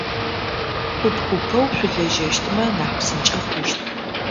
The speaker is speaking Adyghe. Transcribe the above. Куп-купэу шъулэжьэщтмэ нахь псынкӏэ хъущт.